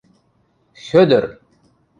– Хӧдӧр!